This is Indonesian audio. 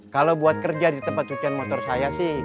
kalau buat kerja di tempat cucian motor saya sih